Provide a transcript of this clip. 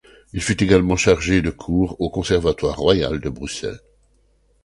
Il fut également chargé de cours au Conservatoire royal de Bruxelles.